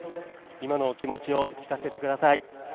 今のお気持ち聞かせてください。